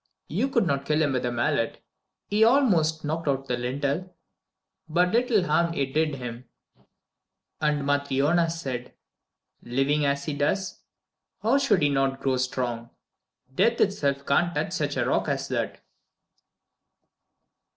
You could not kill him with a mallet. He almost knocked out the lintel, but little harm it did him." And Matryona said: "Living as he does, how should he not grow strong? Death itself can't touch such a rock as that."